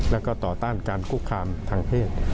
แล้วก็ต่อต้านการคุกคามทางเพศ